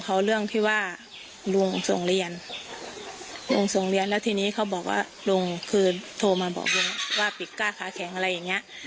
เขาเรื่องที่ว่าลุงส่งเรียนลุงส่งเรียนแล้วทีนี้เขาบอกว่าลุงคือโทรมาบอกลุงว่าปิดกล้าขาแข็งอะไรอย่างเงี้ย